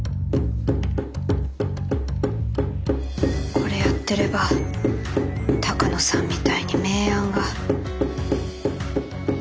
これやってれば鷹野さんみたいに名案が。